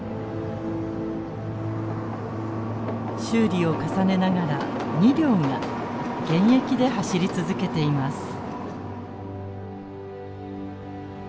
修理を重ねながら２両が現役で走り続けています。